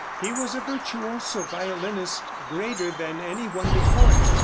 He was a virtuoso violinist greater than any one before him.